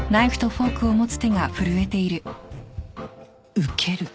ウケる。